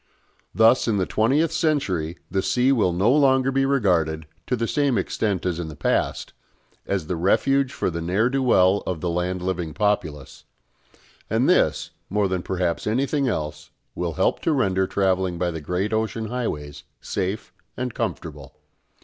Thus in the twentieth century the sea will no longer be regarded, to the same extent as in the past, as the refuge for the ne'er do well of the land living populace; and this, more than perhaps anything else, will help to render travelling by the great ocean highways safe and comfortable.